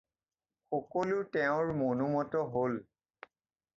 সকলো তেওঁৰ মনোমত হ'ল।